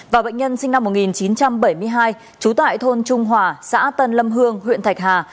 và bệnh nhân sinh năm một nghìn chín trăm bảy mươi hai trú tại thôn trung hòa xã tân lâm hương huyện thạch hà